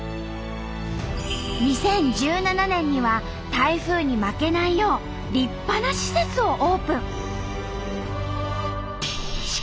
２０１７年には台風に負けないよう立派な施設をオープン。